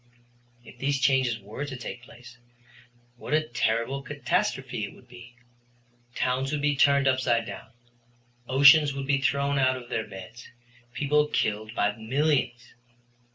If these changes were to take place, what a terrible catastrophe it would be! Towns would be turned upside down, oceans would be thrown out of their beds, people killed by millions.